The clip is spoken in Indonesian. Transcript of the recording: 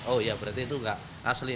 oh ya berarti itu nggak asli